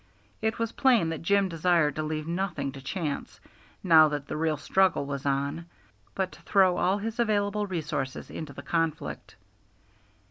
It was plain that Jim desired to leave nothing to chance, now that the real struggle was on, but to throw all his available resources into the conflict.